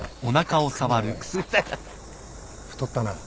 太ったな。